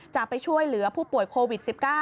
จะไปช่วยเหลือผู้ป่วยโควิด๑๙